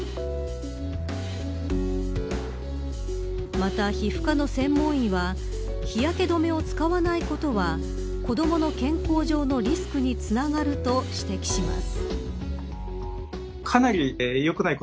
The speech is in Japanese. また皮膚科の専門医は日焼け止めを使わないことは子どもの健康上のリスクにつながると指摘します。